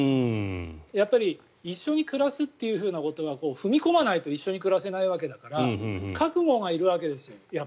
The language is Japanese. やっぱり一緒に暮らすということは踏み込まないと一緒に暮らせないわけだから覚悟がいるわけですよ。